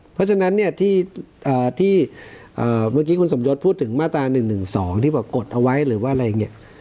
เพราะฉะนั้นเนี่ยที่เมื่อกี้คุณสมยศพูดถึงมาตรา๑๑๒ที่บอกกดเอาไว้หรือว่าอะไรอย่างนี้